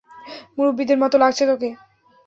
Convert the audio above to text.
মুরব্বীদের মত লাগছে তোকে!